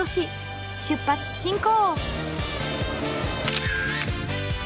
出発進行！